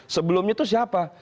sebelumnya itu siapa